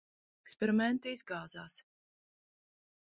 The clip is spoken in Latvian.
Bet eksperimenti izgāzās.